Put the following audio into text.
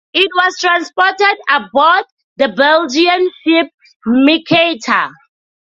It was transported aboard the Belgian ship Mercator.